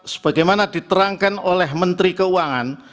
sebagaimana diterangkan oleh menteri keuangan